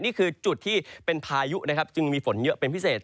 นี่คือจุดที่เป็นพายุนะครับจึงมีฝนเยอะเป็นพิเศษ